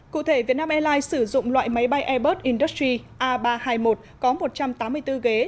cụ thể việt nam airlines sử dụng loại máy bay airbus industry a ba trăm hai mươi một có một trăm tám mươi bốn ghế